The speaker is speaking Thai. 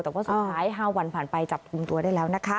แต่ว่าสุดท้าย๕วันผ่านไปจับกลุ่มตัวได้แล้วนะคะ